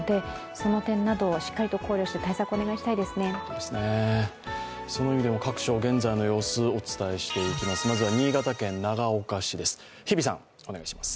そういう意味でも各所、現在の様子お伝えしていきます。